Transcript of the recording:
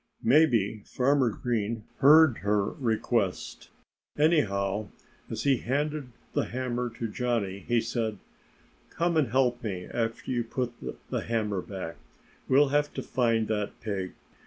Maybe Farmer Green heard her request. Anyhow, as he handed the hammer to Johnnie he said, "Come and help me, after you put the hammer back. We'll have to find that pig.